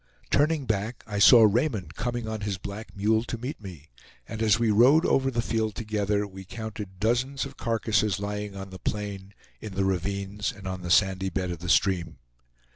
Turning back, I saw Raymond coming on his black mule to meet me; and as we rode over the field together, we counted dozens of carcasses lying on the plain, in the ravines and on the sandy bed of the stream.